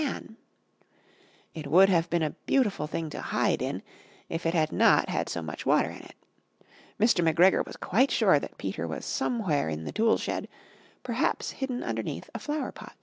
It would have been a beautiful thing to hide in, if it had not had so much water in it. Mr. McGregor was quite sure that Peter was somewhere in the tool shed, perhaps hidden underneath a flower pot.